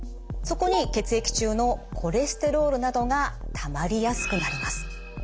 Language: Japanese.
そこに血液中のコレステロールなどがたまりやすくなります。